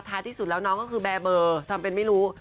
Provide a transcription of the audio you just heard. ที่สุดแล้วน้องก็คือแบร์เบอร์ทำเป็นไม่รู้